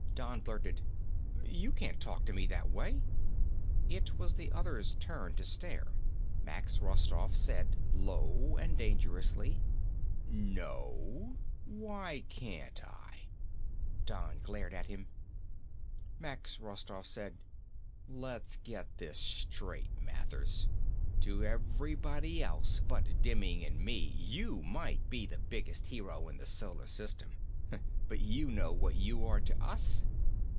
Don blurted, "You can't talk to me that way." It was the other's turn to stare. Max Rostoff said, low and dangerously, "No? Why can't I?" Don glared at him. Max Rostoff said, low and dangerously, "Let's get this straight, Mathers. To everybody else, but Demming and me, you might be the biggest hero in the Solar System. But you know what you are to us?"